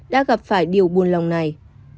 đã gặp phải điều buồn lòng này